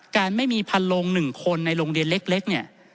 การไม่มีพันโลง๑คนในโรงเรียนเล็กเนี่ย